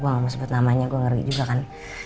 gue gak mau sebut namanya gue ngerti juga kan